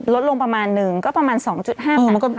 ลดลงประมาณ๑ก็ประมาณ๒๕สัตว์ครับ